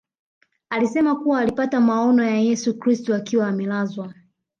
Alisema kuwa alipata maono ya Yesu Kristo akiwa amelazwa